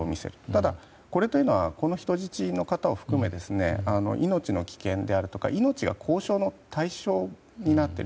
ただ、これというのはこの人質の方を含め命の危険であるとか命が交渉の対象になっている。